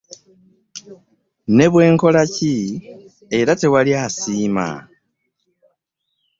Ne bwe nkola ki era tewali asiima.